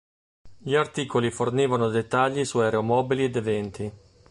Gli articoli fornivano dettagli su aeromobili ed eventi.